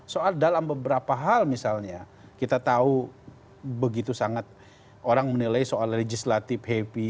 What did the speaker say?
soal dalam beberapa hal misalnya kita tahu begitu sangat orang menilai soal legislatif happy